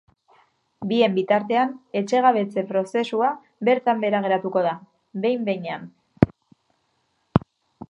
Bien bitartean, etxegabetze prozesua bertan behera geratuko da, behin-behinean.